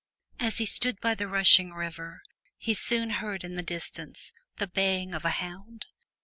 As he stood by the rushing river, he soon heard in the distance the baying of a hound.